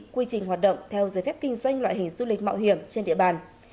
quy trình hoạt động theo giấy phép kinh doanh loại hình du lịch mạo hiểm trên địa bàn